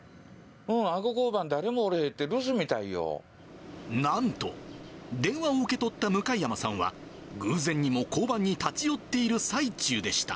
阿児交番、誰もいなくて、留守みなんと、電話を受け取った向山さんは、偶然にも交番に立ち寄っている最中でした。